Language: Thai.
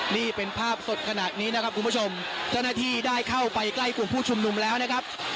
นี่เป็นภาพสดขนาดนี้นะครับคุณผู้ชมเจ้าหน้าที่ได้เข้าไปใกล้กลุ่มผู้ชุมนุมแล้วนะครับ